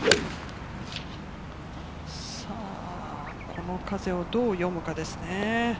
この風をどう読むかですね。